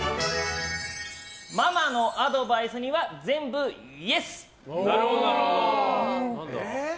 ママのアドバイスには全部イエス。